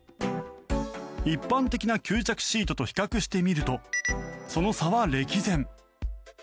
一般的な吸着シートと比較してみるとその差は歴然。